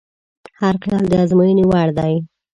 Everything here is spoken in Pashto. هر خیال د ازموینې وړ دی.